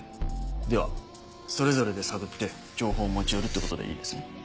ではそれぞれで探って情報を持ち寄るってことでいいですね？